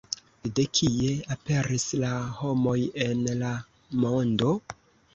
De kie aperis la homoj en la mondo?